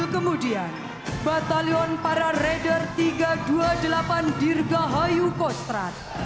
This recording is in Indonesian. ketiga batalion lieutenant colonel irga hayu kostrat